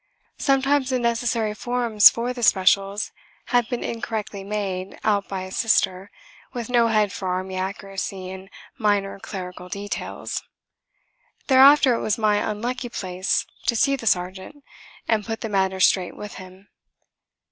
Sometimes the necessary forms for the specials had been incorrectly made out by a Sister with no head for army accuracy in minor clerical details. Thereafter it was my unlucky place to see the sergeant, and put the matter straight with him.